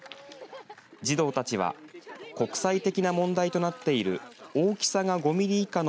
児童たちは国際的な問題となっている大きさが５ミリ以下の